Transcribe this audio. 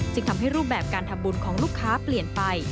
จึงทำให้รูปแบบการทำบุญของลูกค้าเปลี่ยนไป